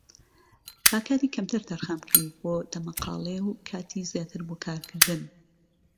با کاتی کەمتر تەرخان بکەین بۆ دەمەقاڵێ و کاتی زیاتر بۆ کارکردن.